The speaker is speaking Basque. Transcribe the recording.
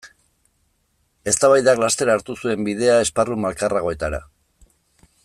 Eztabaidak laster hartu zuen bidea esparru malkarragoetara.